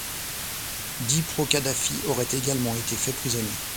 Dix pro-Kadhafi auraient également été faits prisonniers.